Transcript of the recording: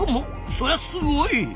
そりゃすごい！